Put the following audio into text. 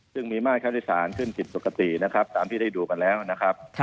ซึ่งมีมาตรค่าโดยสารขึ้นผิดปกตินะครับตามที่ได้ดูกันแล้วนะครับ